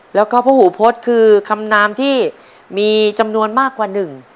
แล้วก็พระหูพฤษคือคำนามที่มีจำนวนมากกว่าหนึ่ง